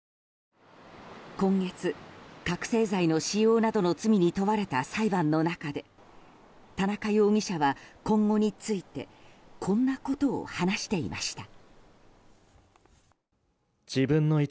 今月、覚醒剤の使用などの罪に問われた裁判の中で田中容疑者は今後についてこんなことを話していました。